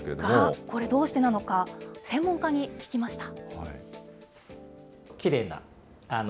が、これどうしてなのか、専門家に聞きました。